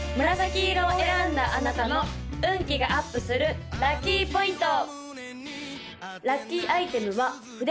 黄色を選んだあなたの運気がアップするラッキーポイント！